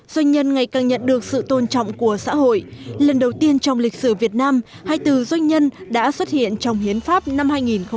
doanh nhân ngày càng nhận được sự tôn trọng của xã hội lần đầu tiên trong lịch sử việt nam hai từ doanh nhân đã xuất hiện trong hiến pháp năm hai nghìn một mươi ba